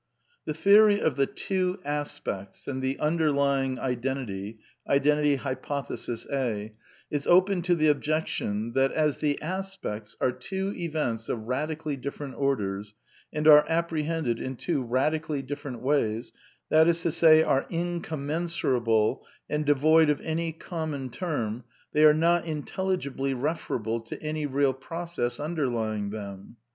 The theory of the " two aspects " and the Underlying Identity (Identity Hypothesis A) is open to the objection that as the " aspects " are " two events of radically differ ent orders and are apprehended in two radically different ways,'' that is to say, are incommensurable and devoid of any common term, they are not intelligibly referable to any real process underlying them.